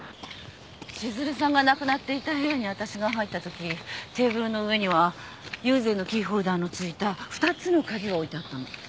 千鶴さんが亡くなっていた部屋に私が入ったときテーブルの上には友禅のキーホルダーの付いた２つの鍵が置いてあったの。